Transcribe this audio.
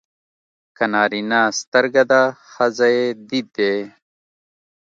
که نارینه سترګه ده ښځه يې دید دی.